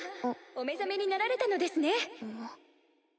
お目覚めになられたのですね。